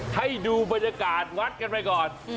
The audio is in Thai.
ให้ดูบรรยากาศวัดกันไปก่อน